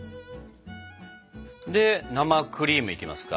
で生クリームいきますか？